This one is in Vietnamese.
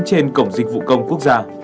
trên cổng dịch vụ công quốc gia